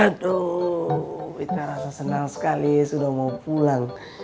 aduh kita rasa senang sekali sudah mau pulang